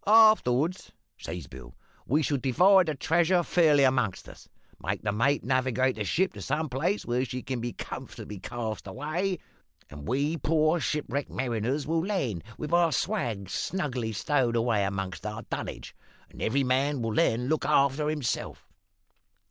"`Afterwards,' says Bill, `we shall divide the treasure fairly amongst us; make the mate navigate the ship to some place where she can be comfortably cast away; and we poor shipwrecked mariners will land, with our swag snugly stowed away amongst our dunnage, and every man will then look after hisself.'